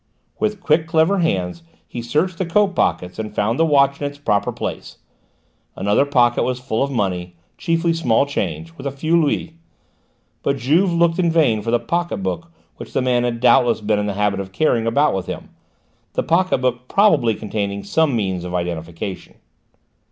With quick, clever hands he searched the coat pockets and found the watch in its proper place. Another pocket was full of money, chiefly small change, with a few louis. But Juve looked in vain for the pocket book which the man had doubtless been in the habit of carrying about with him: the pocket book probably containing some means of identification.